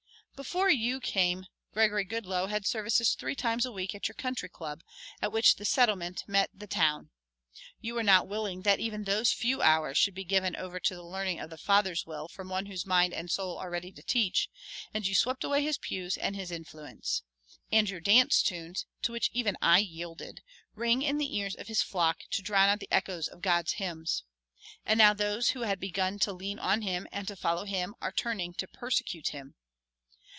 "Before you came Gregory Goodloe had services three times a week at your Country Club, at which the Settlement met the Town. You were not willing that even those few hours should be given over to the learning of the Father's will from one whose mind and soul are ready to teach, and you swept away his pews and his influence. And your dance tunes, to which even I yielded, ring in the ears of his flock to drown out the echoes of God's hymns. And now those who had begun to lean on him and to follow him are turning to persecute him.